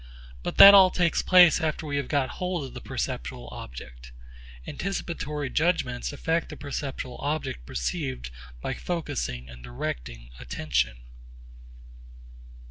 But that all takes place after we have got hold of the perceptual object. Anticipatory judgments affect the perceptual object perceived by focussing and diverting attention.